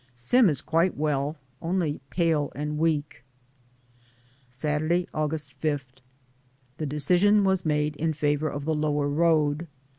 Sim is quite well, only pale and weak. Saturday, August 5. The decision was made in favor of the lower road.